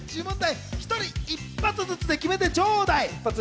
１人一発ずつで決めてちょうだい。